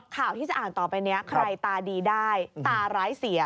ข่าวที่จะอ่านต่อไปนี้ใครตาดีได้ตาร้ายเสีย